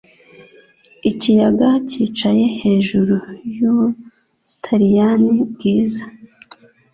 Ikiyaga cyicaye hejuru y'Ubutaliyani bwiza